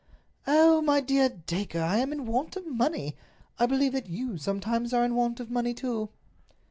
"Oh, my dear Dacre, I am in want of money! I believe that you sometimes are in want of money, too."